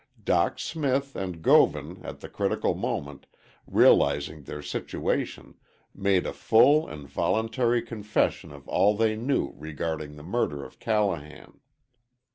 Dock Smith and Govan at the critical moment, realizing their situation, made a full and voluntary confession of all they knew regarding the murder of Callahan.